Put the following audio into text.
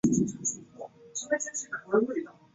上述定义主要针对的是直接前震。